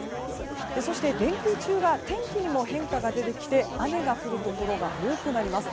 そして、連休中は天気にも変化が出てきて雨が降るところが多くなります。